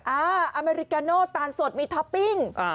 อเมริกาโนตาลสดมีท็อปปิ้ง